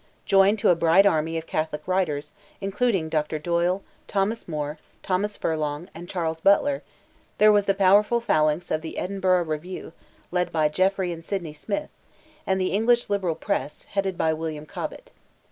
Joined to a bright army of Catholic writers, including Dr. Doyle, Thomas Moore, Thomas Furlong, and Charles Butler, there was the powerful phalanx of the Edinburgh Review led by Jeffrey and Sidney Smith, and the English liberal press, headed by William Cobbett.